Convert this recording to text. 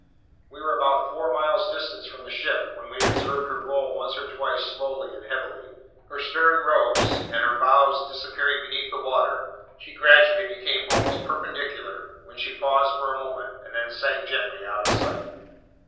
We were about four miles distant from the ship, when we observed her roll once or twice slowly and heavily; her stern rose, and, her bows disappearing beneath the water, she gradually became almost perpendicular, when she paused for a moment and then sank gently out of sight.